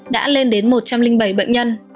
đã lên đến một trăm linh bảy bệnh nhân